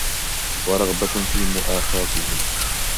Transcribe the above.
وَرَغْبَةٌ فِي مُؤَاخَاتِهِ